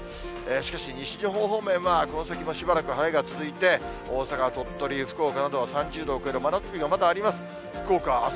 しかし西日本方面はこの先もしばらく晴れが続いて、大阪、鳥取、福岡などは３０度を超える真夏日が、まだあります。